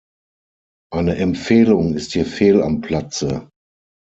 Eine Empfehlung ist hier fehl am Platze.